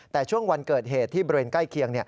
แต่ช่วงวันเกิดเหตุที่บริเวณใกล้เคียง